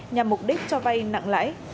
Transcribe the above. nhằm mục đích cho vay nặng lãi